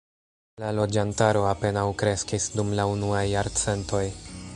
La loĝantaro apenaŭ kreskis dum la unuaj jarcentoj.